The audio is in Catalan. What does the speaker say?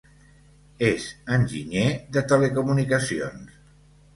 És enginyer de telecomunicacions.